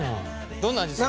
どんな味する？